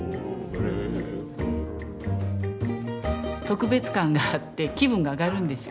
特別感があって気分が上がるんですよ。